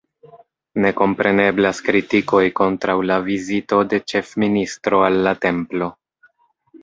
Ne kompreneblas kritikoj kontraŭ la vizito de ĉefministro al la templo.